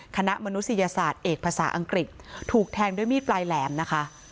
มนุษยศาสตร์เอกภาษาอังกฤษถูกแทงด้วยมีดปลายแหลมนะคะ